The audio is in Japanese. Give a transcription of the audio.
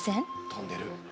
とんでる。